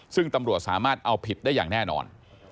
ซึ่งตำรวจสามารถเอาผิดได้อย่างแน่นอน